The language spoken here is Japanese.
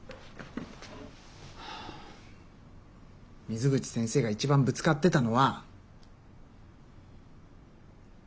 水口先生が一番ぶつかってたのは。